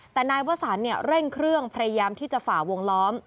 แต่นายวสันเร่งเครื่องพยายามที่จะฝ่าวงล้อม